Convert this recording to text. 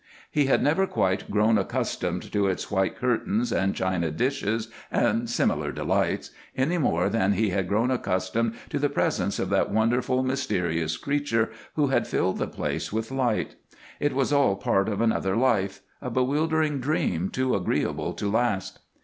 He had never quite grown accustomed to its white curtains and china dishes and similar delights, any more than he had grown accustomed to the presence of that wonderful, mysterious creature who had filled the place with light. It was all part of another life, a bewildering dream too agreeable to last.